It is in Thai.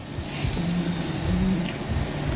อืม